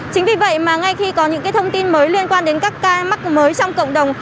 chính vì vậy mà ngay khi có những thông tin mới liên quan đến các ca mắc mới trong cộng đồng